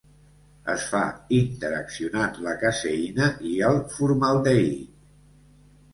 Es fa interaccionant la caseïna i el formaldehid.